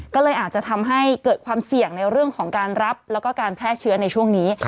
ก็เลยอาจจะทำให้เกิดความเสี่ยงในเรื่องของการรับแล้วก็การแพร่เชื้อในช่วงนี้